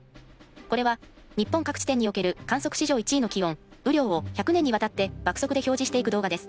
これは日本各地点における観測史上１位の気温・雨量を１００年にわたって爆速で表示していく動画です。